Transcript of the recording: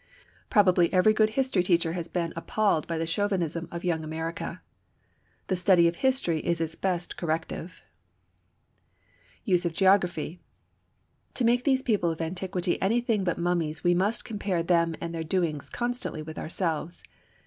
Probably every good history teacher has been appalled by the Chauvinism of Young America. The study of history is its best corrective. The Use of Geography. To make these people of antiquity anything but mummies we must compare them and their doings constantly with ourselves.